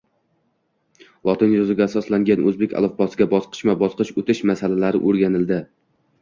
Lotin yozuviga asoslangan o‘zbek alifbosiga bosqicha-bosqich o‘tish masalalari o‘rganildi